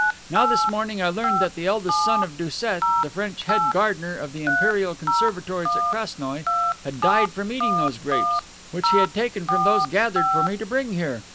Now this morning I learned that the eldest son of Doucet, the French head gardener of the Imperial conservatories at Krasnoie, had died from eating those grapes, which he had taken from those gathered for me to bring here.